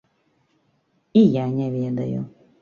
І я не ведаю.